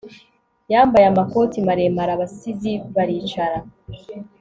yambaye amakoti maremare, abasizi baricara